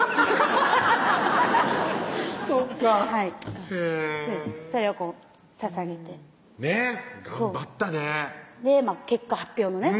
ハハハハそっかはいへぇそれをささげてねっ頑張ったねで結果発表のね